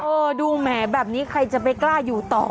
ดูแหมแบบนี้ใครจะไปกล้าอยู่ต่อ